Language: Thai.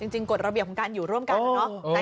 จริงกฎระเบียบของการอยู่ร่วมกันนะ